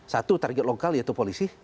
satu target lokal yaitu polisi